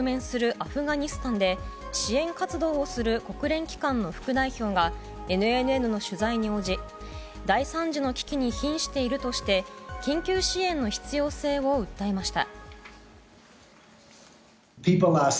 アフガニスタンで支援活動をする国連機関の副代表がＮＮＮの取材に応じ大惨事の危機に瀕しているとして緊急支援の必要性を訴えました。